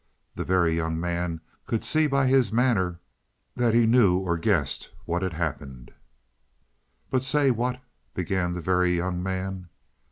The Very Young Man could see by his manner that he knew or guessed what had happened. "But say; what " began the Very Young Man.